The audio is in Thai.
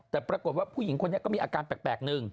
แต่ปรากฏว่าผู้หญิงคนนี้ก็มีอาการแปลกหนึ่ง